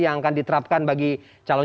yang akan diterapkan bagi calon